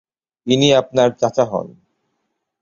ইনি আপনার চাচা হন।